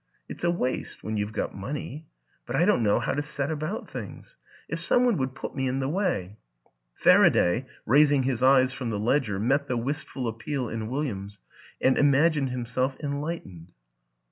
It's a waste when you've got money. But I don't know how to set about things. ... If some one would put me in the way !" Faraday, raising his eyes from the ledger, met the wistful appeal in William's and imagined him self enlightened.